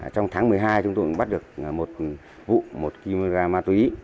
trong tháng một mươi hai chúng tôi cũng bắt được một vụ một kg ma túy